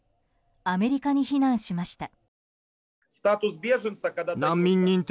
アメリカに避難しました。